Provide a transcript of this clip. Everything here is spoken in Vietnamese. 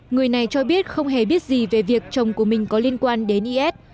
người này cho biết không hề biết gì về việc chồng của mình có liên quan đến is